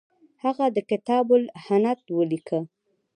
هغه د کتاب الهند ولیکه.